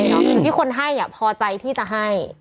อยู่ที่คนให้พอใจที่จะให้